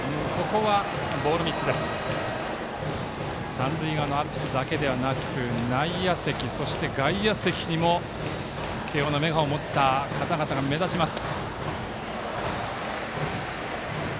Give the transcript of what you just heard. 三塁側のアルプスだけではなく内野席、そして外野席にも慶応のメガホンを持った方々が目立ちます。